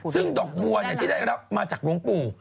ซึ่งดอกบัวที่ได้รับมาจากหลวงปู่